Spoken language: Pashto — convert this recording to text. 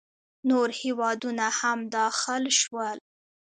نور هیوادونه هم داخل شول.